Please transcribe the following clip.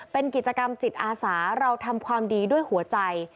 เป็นกิจกรรมจิตอาสาเราทำความดีด้วยหัวใจ